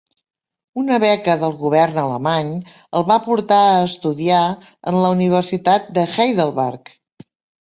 Una beca del Govern alemany el va portar a estudiar en la Universitat de Heidelberg.